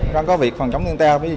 trong có việc phòng chống thiên tai